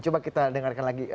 coba kita dengarkan lagi